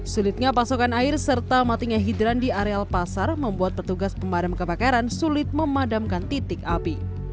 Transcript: sulitnya pasokan air serta matinya hidran di areal pasar membuat petugas pemadam kebakaran sulit memadamkan titik api